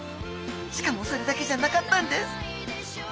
しかもそれだけじゃなかったんです。